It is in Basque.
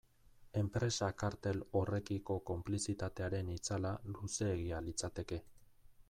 Enpresa kartel horrekiko konplizitatearen itzala luzeegia litzateke.